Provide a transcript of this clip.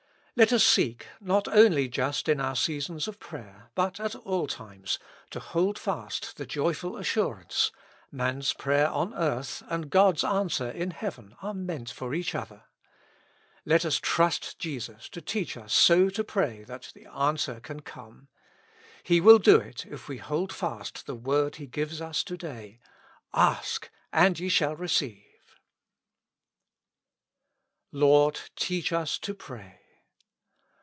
Let us seek, not only just in our seasons of prayer, but at all times, to hold fast the joyful assurance : man's prayer on earth and God's answer in heaven are meant for each other. Let us trust Jesus to teach us so to pray that the answer can come. He will do it 45 With Christ in the School of Prayer. if we hold fast the word He gives to day: " Ask, and ye shall receive." "Lord, teach us to pray."